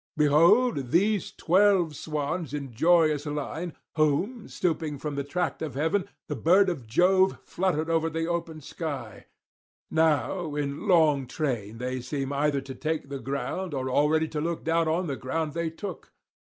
Behold these twelve swans in joyous line, whom, stooping from the tract of heaven, the bird of Jove fluttered over the open sky; now in long train they seem either to take the ground or already to look down on the ground they took.